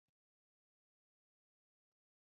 De ce a trebuit să le împrumutăm bani?